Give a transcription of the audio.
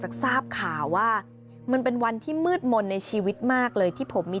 ทราบข่าวว่ามันเป็นวันที่มืดมนต์ในชีวิตมากเลยที่ผมมี